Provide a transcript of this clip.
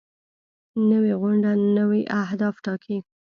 نوې غونډه نوي اهداف ټاکي